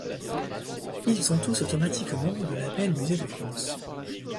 Ils ont tous automatiquement le label Musée de France.